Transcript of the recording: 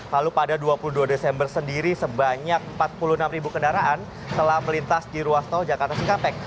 lalu pada dua puluh dua desember sendiri sebanyak empat puluh enam ribu kendaraan telah melintas di ruas tol jakarta cikampek